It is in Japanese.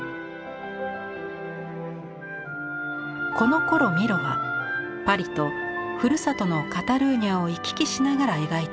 このころミロはパリとふるさとのカタルーニャを行き来しながら描いていました。